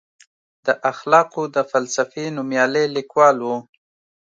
د اخلاقو د فلسفې نوميالی لیکوال و.